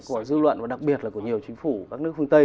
của dư luận và đặc biệt là của nhiều chính phủ các nước phương tây